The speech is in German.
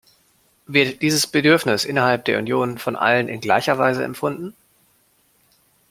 Wird dieses Bedürfnis innerhalb der Union von allen in gleicher Weise empfunden?